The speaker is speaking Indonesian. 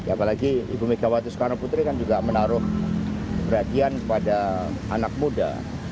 apalagi ibu megawati soekarno putri kan juga menaruh perhatian kepada anak muda